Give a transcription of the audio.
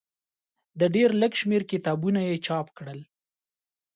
د ډېر لږ شمېر کتابونه یې چاپ کړل.